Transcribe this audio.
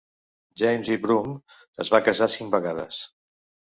James E. Broome es va casar cinc vegades.